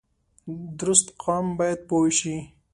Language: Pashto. درست قام باید پوه شي